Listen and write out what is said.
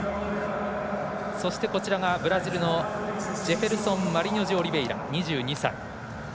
そして、ブラジルのジェフェルソン・マリニョジオリベイラ２２歳。